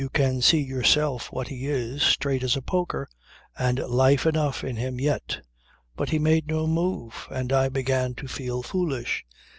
You can see yourself what he is. Straight as a poker, and life enough in him yet. But he made no move, and I began to feel foolish.